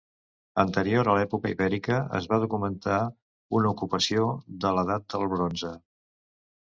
Anterior a l'època ibèrica, es va documentar una ocupació de l'edat del bronze.